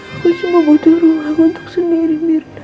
aku cuma butuh rumahku untuk sendiri mirna